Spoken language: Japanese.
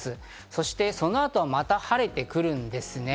そして、その後はまた晴れてくるんですね。